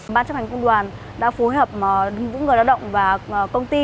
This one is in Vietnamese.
bán chấp hành công đoàn đã phối hợp những người lao động và công ty